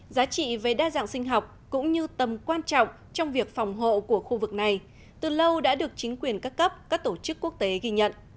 giá trị về đa dạng sinh học cũng như tầm quan trọng trong việc phòng hộ của khu vực này từ lâu đã được chính quyền các cấp các tổ chức quốc tế ghi nhận